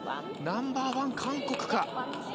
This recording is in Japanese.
ナンバーワン韓国か。